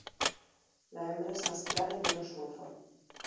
La hembra es más clara y menos rufa.